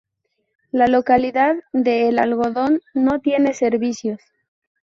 La localidad de El Algodón no tiene servicios.